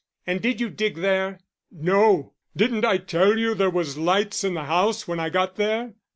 "And did you dig there?" "No. Didn't I tell you there was lights in the house when I got there?"